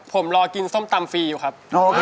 ผมรอกินส้มตำฟรีอยู่ครับ